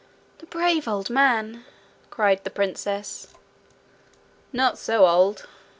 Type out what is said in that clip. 'The brave old man!' cried the princess. 'Not so old!'